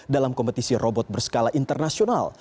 dalam kompetisi robot berskala internasional